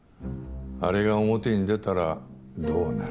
あれが表に出たらどうなる？